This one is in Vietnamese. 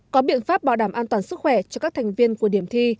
có biện pháp bảo đảm an toàn sức khỏe cho các thành viên của điểm thi